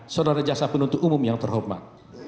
saudara jaksa penuntut umum yang terhormat